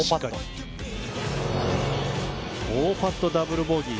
４パット、ダブルボギー。